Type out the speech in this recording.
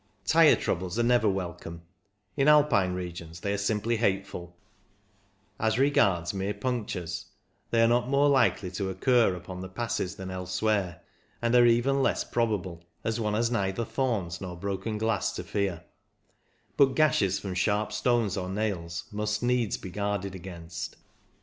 Tyre troubles are never welcome ; in Alpine regions they are simply hateful As regards mere punctures, they are not more likely to occur upon the passes than elsewhere, and are even less probable, as one has neither thorns nor broken glass to fear ; but gashes from sharp stones or nails must needs be guarded s^ainst.